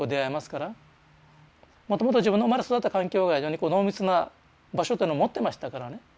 もともと自分の生まれ育った環境が非常に濃密な場所というのを持ってましたからね。